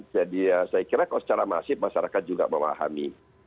jadi ya saya kira kalau secara masif masyarakat juga memahami